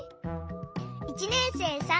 「１年生さん